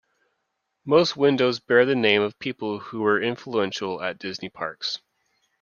Most windows bear the name of people who were influential at Disney parks.